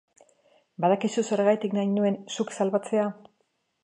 Badakizu zergatik nahi nuen zuk salbatzea?